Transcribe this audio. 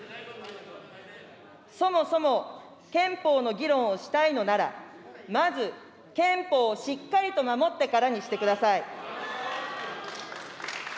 そもそも憲法の議論をしたいのなら、まず、憲法をしっかりと守ってからにしてください。